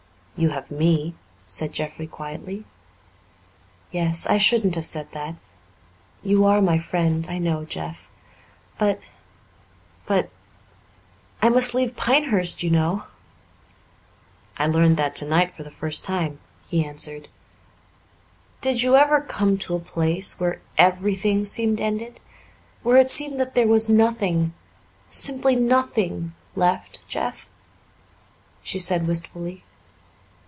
"You have me," said Jeffrey quietly. "Yes. I shouldn't have said that. You are my friend, I know, Jeff. But, but I must leave Pinehurst, you know." "I learned that tonight for the first time," he answered. "Did you ever come to a place where everything seemed ended where it seemed that there was nothing simply nothing left, Jeff?" she said wistfully.